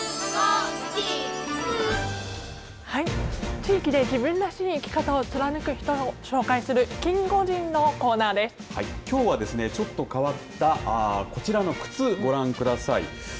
地域で自分らしい生き方を貫く人を紹介するきょうはですねちょっと変わったこちらの靴、ご覧ください。